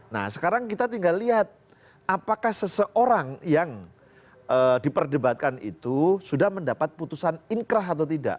nah sekarang kita tinggal lihat apakah seseorang yang diperdebatkan itu sudah mendapat putusan inkrah atau tidak